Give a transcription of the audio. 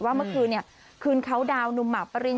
ว่าเมื่อคืนเนี่ยคืนเคาน์ดาวน์หนุ่มหมาปะริน